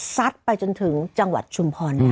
ซัดไปจนถึงจังหวัดชุมพรได้